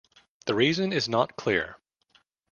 The reason is not clear.